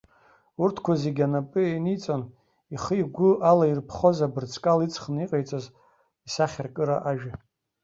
Урҭқәа зегьы анапы ианиҵон ихы-игәы ала ирԥхоз, абырҵкал иҵхны иҟаиҵоз исахьаркыра ажәа.